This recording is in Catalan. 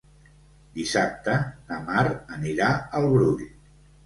Dissabte na Mar anirà al Brull.